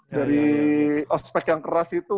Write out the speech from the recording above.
dari aspek yang keras itu